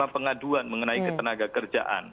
pengaduan mengenai ketenaga kerjaan